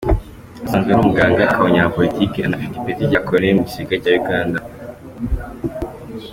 Asanzwe ari umuganga, akaba umunyapolitike anafite ipeti rya Koloneri mu gisirikare cya Uganda.